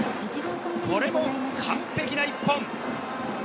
これも完璧な１本。